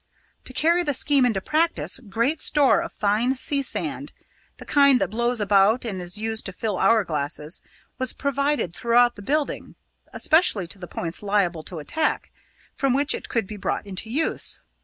To carry the scheme into practice great store of fine sea sand the kind that blows about and is used to fill hour glasses was provided throughout the building, especially at the points liable to attack, from which it could be brought into use.